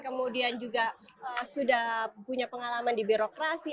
kemudian juga sudah punya pengalaman di birokrasi